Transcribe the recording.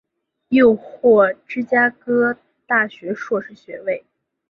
又获芝加哥大学硕士学位。